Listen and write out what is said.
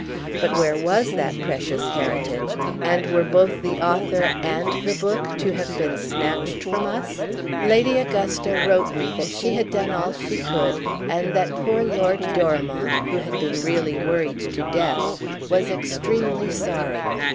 But where was that precious heritage and were both the author and the book to have been snatched from us? Lady Augusta wrote me that she had done all she could and that poor Lord Dorimont, who had really been worried to death, was extremely sorry.